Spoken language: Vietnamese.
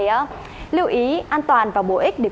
lưu ý an toàn và bổ ích để quý vị có thể tìm hiểu về các vật thủ này